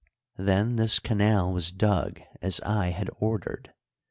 Then this canal was dug as I had ordered.